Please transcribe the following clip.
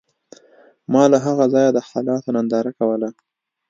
ما له هغه ځایه د حالاتو ننداره کوله